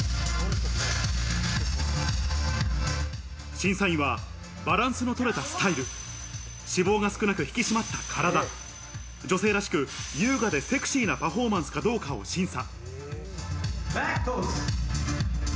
審査員は、バランスのとれたスタイル、脂肪が少なく引き締まった体、女性らしく優雅でセクシーなパフォーマンスかどうかを審査。